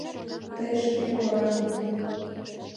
Тый шке кораҥ...